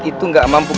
itu gak mampu